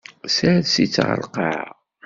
Sers-itt ɣer lqaɛa.